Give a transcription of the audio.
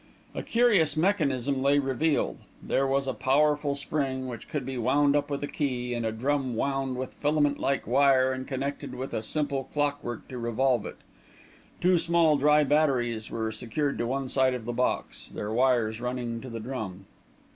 A curious mechanism lay revealed. There was a powerful spring, which could be wound up with a key, and a drum wound with filament like wire and connected with a simple clock work to revolve it. Two small dry batteries were secured to one side of the box, their wires running to the drum.